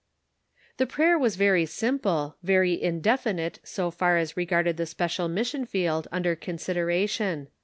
The prayer was very simple, very indefinite so far as regarded the special mission field un der consideration.